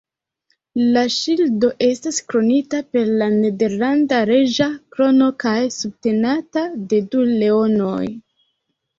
La ŝildo estas kronita per la nederlanda reĝa krono kaj subtenata de du leonoj.